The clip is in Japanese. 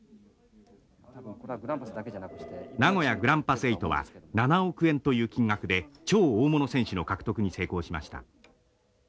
名古屋グランパスエイトは７億円という金額で超大物選手の獲得に成功しました。